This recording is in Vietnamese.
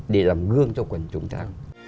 để làm gương cho quần chúng ta